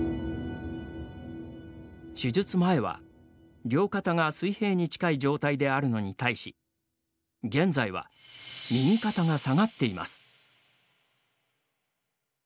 手術前は両肩が水平に近い状態であるのに対し現在は右肩が下がっています。